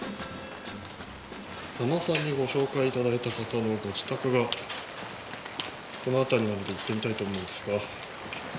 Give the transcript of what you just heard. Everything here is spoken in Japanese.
座間さんにご紹介いただいた方のご自宅がこの辺りにあるので行ってみたいと思うんですが。